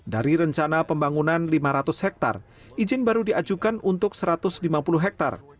dari rencana pembangunan lima ratus hektare izin baru diajukan untuk satu ratus lima puluh hektare